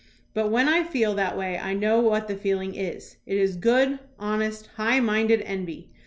But when I feel that way I know what the feeling is. It is good, honest, high minded envy.